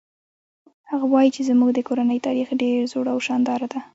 هغه وایي چې زموږ د کورنۍ تاریخ ډېر زوړ او شانداره ده